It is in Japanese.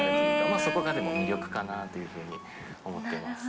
まあそこがでも魅力かなというふうに思ってます。